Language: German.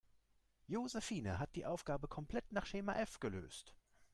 Josephine hat die Aufgabe komplett nach Schema F gelöst.